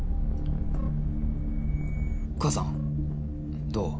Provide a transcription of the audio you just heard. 母さんどう？